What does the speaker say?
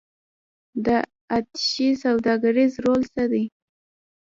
د اتشې سوداګریز رول څه دی؟